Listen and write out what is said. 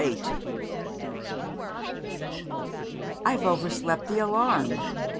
VIII "I've overslept the alarm!"